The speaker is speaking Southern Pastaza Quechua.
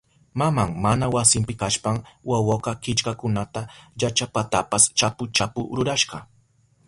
Maman mana wasinpi kashpan wawaka killkakunata llachapatapas chapu chapu rurashka.